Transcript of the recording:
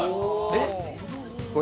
えっ！？